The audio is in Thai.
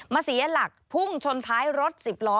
เสียหลักพุ่งชนท้ายรถสิบล้อ